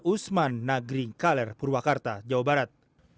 usman nagri kaler purwakarta jawa barat